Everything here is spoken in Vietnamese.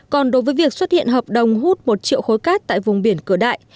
còn đối với việc xuất hiện hợp đồng hút một triệu khối cát tại vùng biển cửa đại